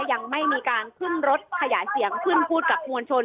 ยังไม่มีการขึ้นรถขยายเสียงขึ้นพูดกับมวลชน